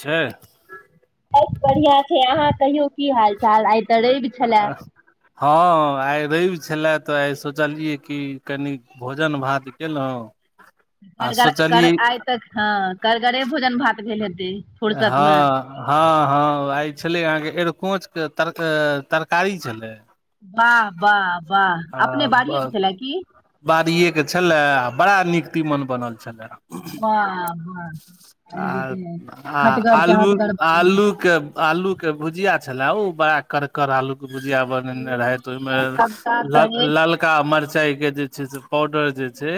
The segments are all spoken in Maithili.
छै बहुत बढ़ियाँ छै अहाँ कहियौ की हाल चाल आइ त रवि छले हँ आइ रवि छलै तऽ आइ सोचलियै कि कनि भोजन भात केलहुँ आ करगर के कर सोचलियै आइ तक हँ करगरे भोजन भात भेल हेतै हँ फुर्सत मे हँ हँ आइ छलै अहाँके एरकोंच के तर तरकारी छलै वाह वाह वाह अपने बड़िके छलै की बाड़ीए के छलए आ बड़ा नीक तीमन बनल छलए हँ हँ अ आ बते [unintelligible] आ आलू आलू के आलू के भुजिया छले ओ बड़ा करकड़ आलू भुजिया है बनेने रहैत ओहिमे ए सबटा लल तऽ लल का चक्का मरचाई के जे छै से पाउडर जे छै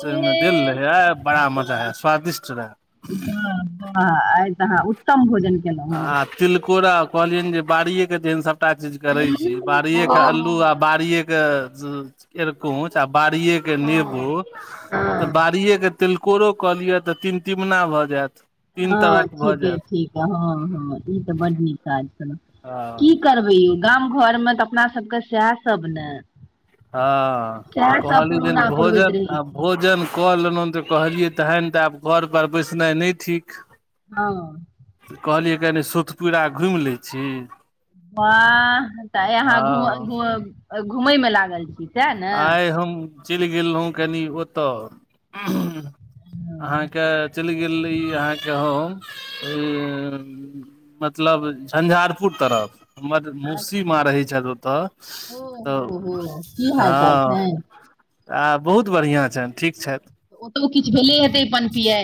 से ओमे दिल ए रहै बड़ा मजा वाह है स्वादिष्ट रहै ह आ तहाँ उत्तम भोजन केलहुँ हन आ तिलकोरा कहलियनि जे बाड़िए के जेहन सब सभटा चीज करै छी बाड़िए के अल्लू आ बाड़िए के रकुच आ बाड़िे के नेबो तऽ हँ बाड़िएके तिलकोरो कहऽ लियअ तऽ तीिन तिमना भऽ जायत तीन हँ तरहक भऽ ठीके जायत ठीक हँ हँ ई त बड नीक काज छल हँ की करबै यो गाम घर मे तऽ अपना सबके सएह सब ने हँ आ सएह सब कहली जेन पुरौना पुरबैत भोजन रहै आ छियै भोजन कल में त कहलियै तखन त आब घरपर बैसनाइ ने थिक हँ त कहलियै कनि सुतपुरा घुमि लै छी ह त यहााँ हँ घ घूमे मे लागल छै आइ हम चलि गेल रहुँ कनि ओतय हँ अहाँके चलि गेल ई अहाँके हम ई मतलब झंझारपुर तरफ हमद मौसी अच्छा माँ रहै छथि ओत ओ त हो हो, की हाल चाल हँ छनि आ बहुत बढ़िआँ छैन ठीक छथि ओतहु किछ भेले हे तै पानि पियै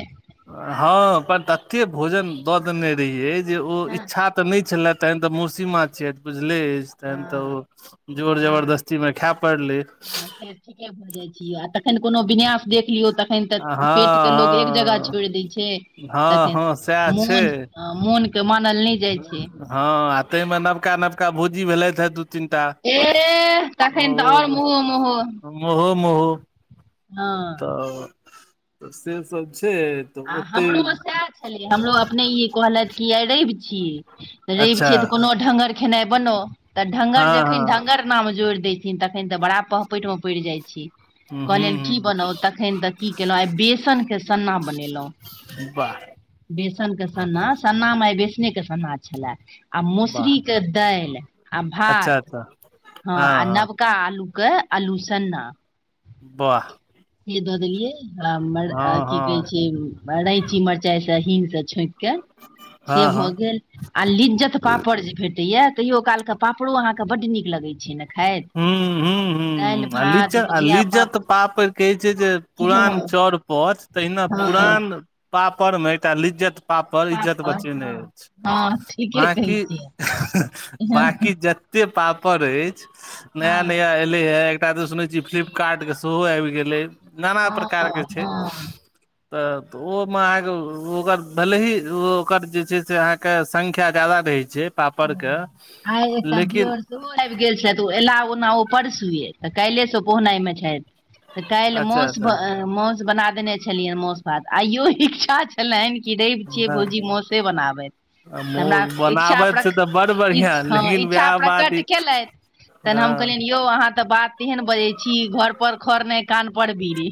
हँ पर तते भोजन द देने रहियै जे ओ हँ इच्छा तऽ नहि छलए तहन तऽ मौसीमा छिय बुझले एछ तहन तऽ हँ ओ जोर हँ जबरदस्ती मे खाय पड़लै हँ से ठीके बजै छिय जखन कोनो विनास देख लियौ तखन तऽ हँ पेट के लोग एक जगह हँ छोड़ि दै छै हँ हँ सएह छै ह मोन के मानल नै हँ आ तई मे नबका नबका भौजी भेलै थहए दू तीन टा ए तखन त आओर महो महो महो महो हँ तऽ से सब छै तऽ आ ओते हमरो मे सएह छलियै हमरो अपने ई कहलथि कि आइ रवि छीयै रवि अच्छा छीयै तऽ कोनो ढङ्गर खेनाइ बनो त हँ ढ़ंगर जखन हँ ढंगर नाम जोड़ि दैथिन तखन त बड़ा पहपट मे पड़ि जाइत छि हूँ कहलियनि की हूँ बनाउ तखन तऽ की केलहुँ आइ बेसनके सन्ना बनेलहुँ बा बेसनके सन्ना सन्नामे आइ बेसने के सन्ना छलए आ वाह मसुरी के दालि आ अच्छा भात अच्छा ह हँ आ हँ नव कालूके अलूसन्ना वाह ई द देलियै आ मर हँ की कहै छै हँ रैची मिरचाइ से हींग से छोंक से हँ हँ भ गेल आ लिज्जत पापड़ जे भेटैया तैयो काल के पापड़ो अहाँ के बड नीक लगैत छै ने खाइत हूँ हूँ दालि हूँ ह आ भात लिज भुजिया पाप लिज्जत पापैड़ कहे छै जे हँ पुरान चौर पथ तहिना हँ पुरान पापड़मे एकटा लिज्जत पाप पर इज्जत पापड़ बचेने हँ अछि हँ ठीके कहै बकी छियै हँ बकीज एते पापड़ अछि नया हँ। नया एले हए आब सुने छी फिलीपकाट नाना प्रकार के छै तऽऽ ओहोमे अहाँके ओकर भैले ही ओकर जे छै से अहाँके संख्या जादा रहै छै पापड़ के आइ एकटा लेकिन दियर आबि गेल छथि ओ एलाह ओना ओ परसुए त काल्हिसँ ओ पहुँनाइ मे छैथ त काल्हि अच्छा मोस अच्छा मोस बना देने छलियनि मोस भात आइयो इच्छा छै रैव छियै हँ भौजी मौसे बनाबैत हमरा मोर इच्छा बनाबैत प्र छै तऽ बड़ बढ़िआँ हँ लेकिन इच्छा वएह बात ई प्रकट केलथि तह हम हँ कहलिय यौ अहाँ तऽ बात तेहन बजै छी घर पर खर नै कान पर बीड़ी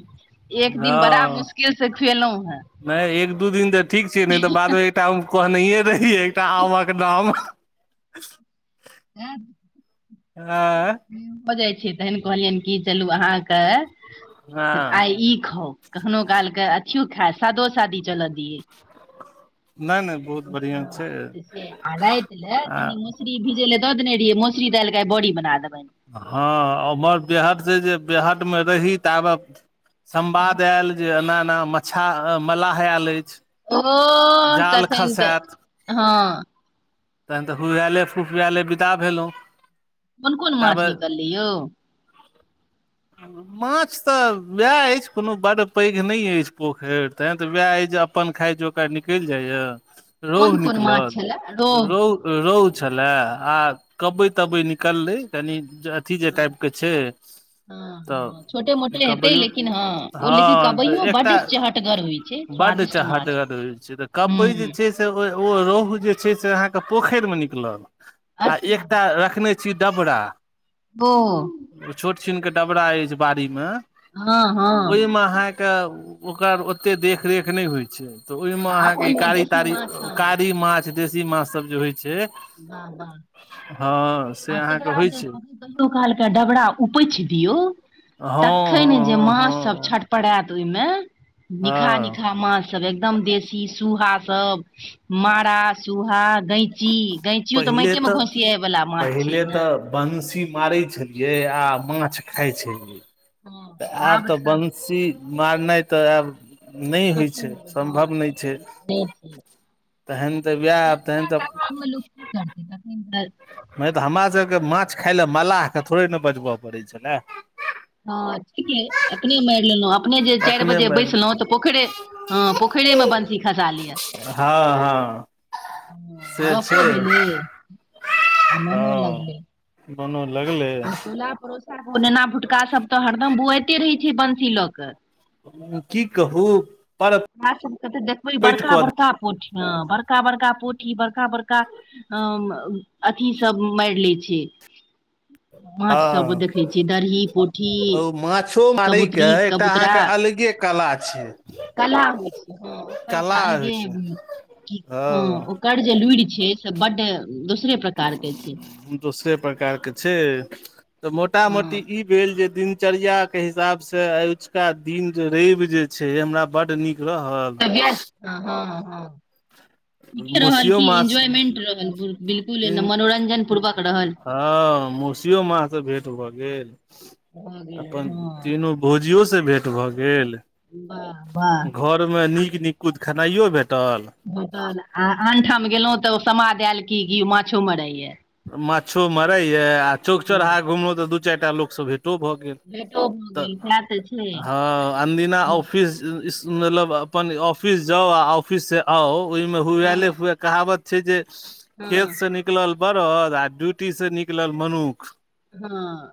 एक दिन बड़ा हँ मुश्किल स खुएलहुं हए नहि एक दू दिन तऽ ठीक छै नहि तऽ बादमे टा कहने रहि एकटा आमक नाम आ [unintelligible] हँ [unintelligible] भ जाई छै तहन कहलियनि की चलू अहाँके हँ आई ई खाउ कखनो कालके अथियो खाय सादो शादी चलऽ दियै नहि नहि बहुत बढ़िआँ हँ छै त आरा त ल आ कनी मस्त [unintelligible] [unintelligible] मोसरी भिज ले दऽ देने रहियै मोसरी दालिके आइ बोड़ी बना देबनि हँ ओम्हर बिहाटसँ जे बिहाटमे रही ताबे संवाद आयल जे एना-एना मच्छा मलाह आयल अछि। ओह! जाल तखन तऽ, खसायत हँ तहन तऽ हुहुआएले फुफुआएले विदा भेलहुँ कोन-कोन माछ निकललै यौ? हँ [unintelligible] माछ तऽ वएह अछि, कोनो बड पैघ नहि अछि पोखरि तहन तऽ वएह अछि अपन खाय जोकरा निकलि जाइयै। रोहू कोन कोन निकलल माछ छलए रोहु रोह रोहु छलै आ कबई तबई निकललै कनी [unintelligible] जे हँ टाइप के छै हँ तऽ हँ छोटे ई मोटे हेतै कबैयो, लेकिन हँ ओ लेकिन हँ तऽ कबइयो बड्ड एकटा चहटगर होइ छै बड्ड स्वादिष्ट माछ चहटगर होइ छै, तऽ कबैइ जे हूँ छै से रोहु जे छै से अहाँके पोखरिमे निकलत आ अच्छा एकटा रखने छी डबरा बो [unintelligible] एगो छोट-छिनके डबरा अछि बाड़ीमे, हँ हँ ओहिमे अहाँके तऽ ओकर ओतेक देखरेख नहि होइ छै तऽ ओहिमे आ अहाँके ई ओहिमे कारी देशी तारी, माछ हँ कारी माछ देशी माछसभ जे होइ छै वाह वाह हँ, से अहाँके होइ छै कखनो कालके डबरा उपछि दियौ हँ तखन हँ जे हँ माछ सभ हँ छट पड़ाएत ओहिमे, हँ निकहा-निकहा माछ सब एकदम देशी सूहा सब मारा सूहा गैंची, गैंचियो तऽ पहिले माटियेमे घोसियाए वाला माछ छियै ने बंसी मारै छलियए आ माछ खाय हँ छलियै। आब तऽ बंसी मारनाइ तऽ आब नहि होइ छै, सम्भव हँ नहि छै ठीक। तहन तऽ वएह नहि तऽ गाममे लोक की करतै तखैन त [unintelligible] नहि तऽ हमरा सबके माछ खाय लए मल्लाहके थोड़े ने बजबय पड़ै छलैह। हँ ठीके, अपने मारि लेलहुँ [unintelligible] अपने जे चारि अपने बजे मारि बैसलहुँ तऽ पोखैरेमे बंसी खसा लिअ। हँ हँ से छै, गपो भेलै आ मोनो हँ लगलै बनऽ लगलै आ टोला पड़ोसाके भुटका सब तऽ हरदम बौआइते रहै छै बंसी लऽकऽ की कहू पर [unintelligible] तऽ देखबै पैट कऽ बड़का-बड़का पोठी हँ बड़का- बड़का पोठी बड़का बड़का हम अथी सब मारि लै छै दे माछसभ हँ देखै छियै दरही पोठी ओ माछो मारै के कबूतरी एकटा कबूतरा अहाँके अलगे कला छियै कला होइ छै, ओकर एकटा होइ अलगे छै की, हँ ओकर जे लुड़ि छै से, बड्ड दोसरे प्रकारके छै दोसरे प्रकार के छै तऽ मोटा मोटी हँ ई भेल जे दिन दिनचर्या के हिसाब से आजुका दिन जे रवि जे छै हमरा बड नीक रहल त हँ हँ [unintelligible] ठीके रहल मौसियो कि मास एन्जॉयमेंट रहल बिल्कुल मनोरंजन पूर्वक रहल। हँ मौसीयो मांसे भेट भऽ गेल। अपन हँ तीनू भौजियोसँ भेँट भऽ गेल वाह वाह [unintelligible] नीक नीकुत खेनाइयो भेटल। [unintelligible] आ आनठाम गेलहुँ तऽ ओ समाद आयल की कि माछो मराइयए माछो मरै यै आ चौक हँ चौराहा घुमलहु तऽ दू चारि टा लोकसभ से भेटो भऽ गेल भेटो भऽ तऽ गेल सएह तऽ छै ह अनदिना ऑफिस मल अब अपन ऑफिस जाउ आ ऑफिस से आउ ओहिमे हुएले हँ हुए कहावत छै जे हँ खेतसँ निकलल बरद आ ड्यूटीसँ निकलल मनुख हँ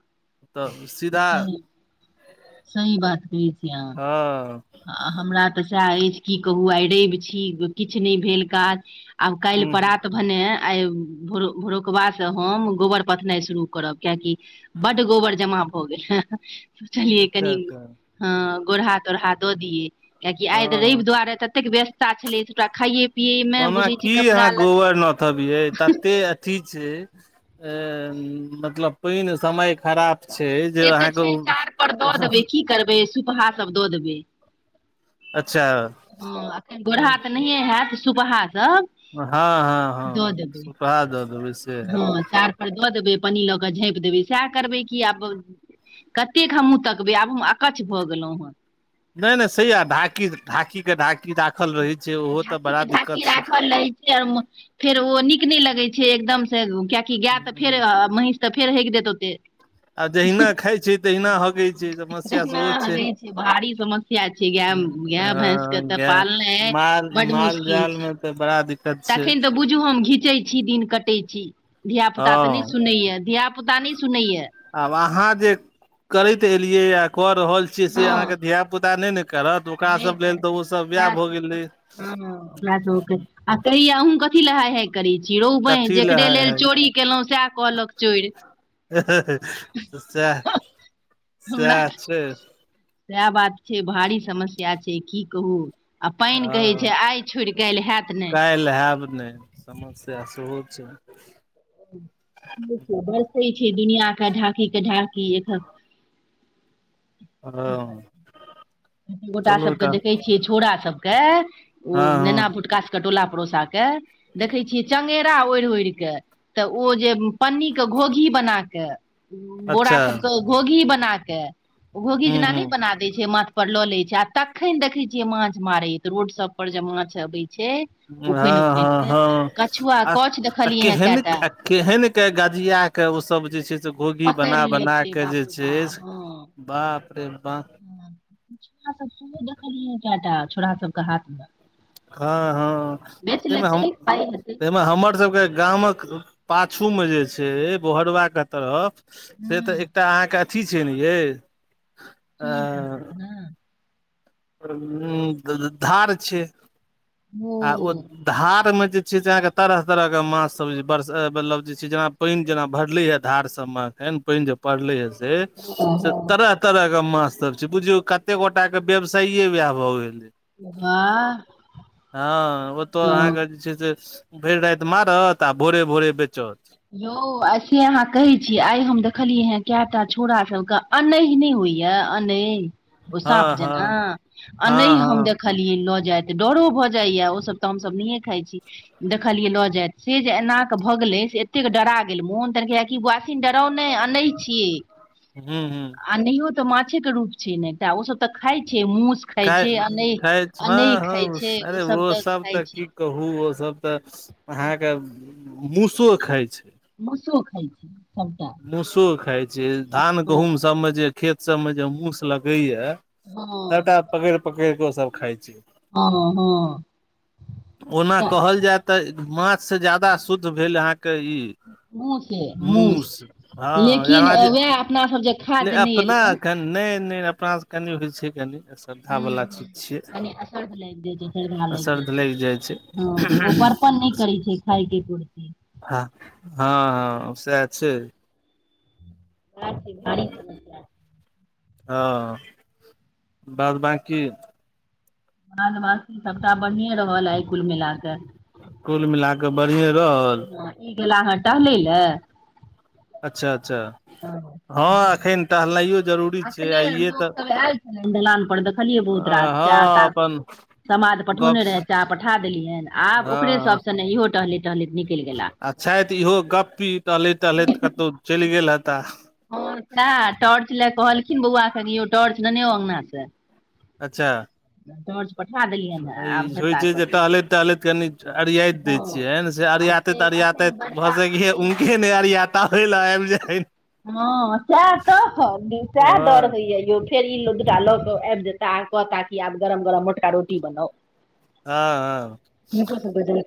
तऽ सीधा सही [unintelligible] सही बात कही छी अहाँ हँ आ हमरा तऽ सेहै अछि की कहू आइ रवि छी किछु नहि भेल काज आब काल्हि ह प्रात भेने आइ भोर भोरुकबासँ हम गोबर पथनाई शुरू करब कियैकी बड्ड गोबर जमा भऽ गेल ह सोचलियै अच्छा कनि अच्छा हँ गोढ़हा तोढ़हा दऽ दिये कियैकि आई हँ हँ रवि दुआरे ततेक व्यस्त त छलै दू टा खाए ओना की अहाँ गोबर नोथबयै तते ठीक छै मतलब पाइन समय खराब छै जे से तऽ अहाँके छै तार पर दऽ देबै की करबै सुपहा सब दऽ देबै अच्छा गोरहा तऽ नहिए होयत सुपहा सब हँ हँ हँ दऽ देबै वहै द देवय हँ चाड़ पर दऽ देबै पन्नी लऽ कऽ झाँपि देबै सएह करबै की आब कतेक हमहूँ तकबै आब हम अकचछ भऽ गेलहुँ हेँ नहि नहि सही यै ढाकी ढाकी के ढाकी राखल रहै छै ओहो तऽ ढाँकी बड़ा के ढाँकी दिक्कत छै राखल है फेर ओ नीक नहि लगै छै एकदम से कियैकि गाय तऽ फेर महीष ऽ फेर हेइग दैतौ आ जहिना खाइ छै तहिना होगै छै समस्या एना सेहो छै हगै भारी समस्या छै गाय गाय भैंस के तऽ पालनाइ माल बड माल मुश्किल जाल छै मे तऽ बड़ा दिक्कत छै तखन तऽ बुझू हम घीचे छी दिन कटै छी धिया पुता तऽ नहि हँ सुनैया धिया पुता पोता नहि सुनयै आब अहाँ जे करैत एलियै कऽ रहल छी से अहाँ हँ के धिया पुता नहि ने करत ओकरा नहि सब लेल तऽ ओसभ वएह भऽ गेलै हँ [inaudible] कहियौ अहुँ कथी ले हाय हाय करै छी रो बनि कथी लए जकरे हय लेल चोरी केलहुँ सेहै कहलक चोर सएह सएह छै सेहै बात छै भारी समस्या छै की कहू आ पानि कहैत छै आइ छोड़ि काल्हि हैत नहि लेहायब नहि समस्या सेहो छै बरसै छै दुनियाके ढाकी के ढाकी एक हाँ [unintelligible] गोटा सबके देखै छियै छोरा सबके ओ हँ हँ नेना भुटका सब कटोला पड़ोसा के देखै छियै चंगेरा ओढ़ि ओढ़ि के तऽ ओ जे पन्नी के घोघी बना के बोरा अच्छा सबके घोघी बना के घोघी हूँ जेना हूँ नहि बना दै छै माथ पर लऽ ले छै आ तखन देखै छियै माछ मारइत रोड सब पर जे माछ अबै छै उफैन हँ उफैन हँ के हँ कछुआ कछ आ देखलियै हेँ केहन कएटा के केहन के गजिया के ओ सब जे छै से घोघी पकड़ि बना लै बना छै के बाप जे रौ बा छै बाप रे बाप छ सब सेहो देखलियै कएटा छोरा सबके हाथ मे [unintelligible] हँ बेच हँमे लेतै पाइ हेतै ताहिमे हमर सबके गाम क पाछू मे जे छै बोहरवा के तरफ से तऽ नहि एकटा अहाँके अथी छै ने ये अ [inaudible] उ धार छै आ ओ धार मे जे छै से अहाँके तरह तरह के माछ सब जे बर मतलब जे छै जेना पाइन जेना भरले य धार सब म अखैन पाइन जो परले हे से ओ से हो तरह तरह कऽ माछ सब छै बुझियौ कते गोटा कऽ व्यवसायए वएह भऽ गेल वाह हँ ओतऽ हँ अहाँके जे छै से भरि राति मारत आ भोरे भोरे बेचत यौ आई सेे अहाँ कहे छी आइ हम देखलियै ह कैम टा छोरा सब कऽ एनहि नै होइ य एनहि साँप हँ जेना हँ हँ अनहि हम देख हँ देखलियै लऽ जाइत डरो भऽ जाइ यऽ ओसभ तऽ हमसभ नहिये खाइ छी देखलियै लऽ जायत से जे एना कऽ भगलै से कतेक डरा गेल मोन तहन कहै य कि अखैन डराउ नहि आनैह छियै हूँ हूँ अनैहियो तऽ माछे कऽ रूप छै न एक टा ओ सब तऽ खाय छै मूस खाइ ख छै खाइ अनैह हँ अनैह खाइ हँ छै अरे ओसभ ओ सब खाइ तऽ छै की कहु ओ सब तऽ अहाके मूसो खाय छै मसुओ खइ छै सभटा मूसो खाइत छै धान हँ गहुँम सभमे जे खेत सभमे जे मूसु लगैए सबटा पकैड़ पकैड़ कऽ ओ सब खाय छै हँ हँ ओना तऽ कहल जाय तऽ माछ से ज्यादा शुद्ध भेल अहाँके ई मुसे मुस मूस हँ लेकिन जेना जे वएह अपना सब जे खा ले जो नहि अपना एलहुँ एखन नहि नहि अपनासँ कनि होइ छै कनि श्रद्धा हुँ वाला हुँ चीज छियै कनि असर्ध लाइग जाइ छै सर्धा लाइग जाइ असर्ध छै लागि जाइ छै हँ ओ परतर नहि करै छै खाय के एको रती हँ हँ हँ सैह छै [unintelligible] हँ बाद बकी बाद बाँकी सभटा बढ़िये रहल आय कुल मिलाकऽ कुल मिला कऽ बढ़िएँ रहल हँ ई गेला हँ टहलै लऽ अच्छा अच्छा हँ अखैन टहलनाइयो जरूर अखने लोक सब आयल छलै दलान पर देखलियै बहुत रास चाह हँ ताह अपन सब समाध गप पठौने रहै चाह पठा देलियैनि आब ओकरे हँ सब सने इहो टहलैत टहलैत निकलि गेला आ छैथि इहो गपी टहलैत टहलैत कतहु चलि गेल हेता हँ सेहाँ टॉर्च लऽ कहलखिन बौआ कऽ की यो टॉर्च लेने आउ अंगना सँ अच्छा टोर्च पठा देलियै ह ई आब नहि होइ छै पाकत जे टहलैत टहलैत कनी अरियाइत देय छियेन से अरियातैत अरियातैत भऽ सकै य हुनके नै अरिया तै लयब जेै [unintelligible] हँ सएह तऽ सएह डर हँ होइ यऽ यो फेर ई लुदरा ल कऽ आबि जेता आ कहता की आब गरम गरम मोटका रोटी बनाउ हँ हिनको हँ सबके जलखै